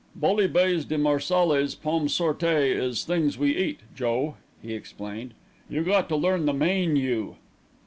"Bullybase de Marsales pumsortay is things to eat, Joe," he explained; "you got to learn the mane yu."